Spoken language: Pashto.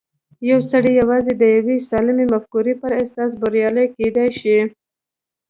يو سړی يوازې د يوې سالمې مفکورې پر اساس بريالی کېدای شي.